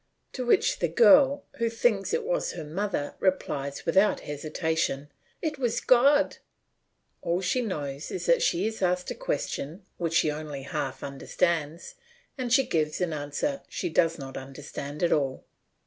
To which the girl, who thinks it was her mother, replies without hesitation, "It was God." All she knows is that she is asked a question which she only half understands and she gives an answer she does not understand at all.